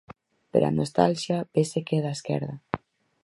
Pero a nostalxia vese que é da esquerda.